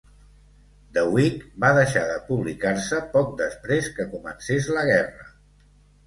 "The Week" va deixar de publicar-se poc després que comencés la guerra.